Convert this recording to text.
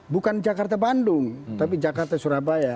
bukan jakarta bandung tapi jakarta surabaya